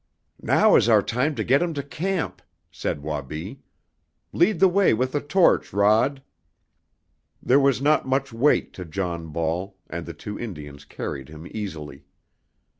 "Now is our time to get him to camp," said Wabi. "Lead the way with the torch, Rod!" There was not much weight to John Ball, and the two Indians carried him easily.